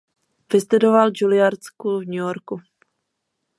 Vystudoval Juilliard School v New Yorku.